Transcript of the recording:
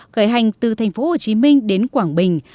khởi hành từ tp hcm đến quảng bình